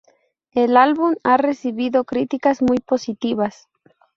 El álbum ha recibido críticas muy positivas.